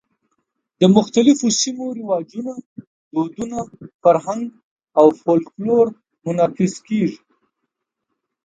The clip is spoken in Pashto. د مختلفو سیمو رواجونه، دودونه، فرهنګ او فولکلور منعکس کېږي.